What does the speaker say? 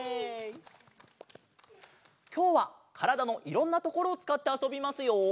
きょうはからだのいろんなところをつかってあそびますよ！